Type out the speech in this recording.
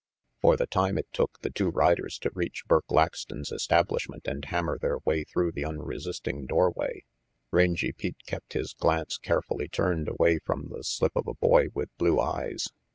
For the tune it took the two riders to reach Burk Laxton's establishment and hammer then* way through the unresisting doorway, Rangy Pete kept his glance carefully turned away from the slip of a boy with blue eyes.